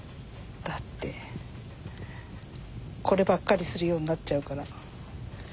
だってこればっかりするようになっちゃうから。